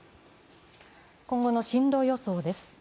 今後の進路予想です。